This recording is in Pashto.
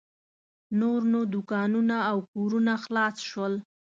نور نو دوکانونه او کورونه خلاص شول.